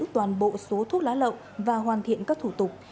toàn bộ số thuốc lá lậu và hoàn thiện các thủ tục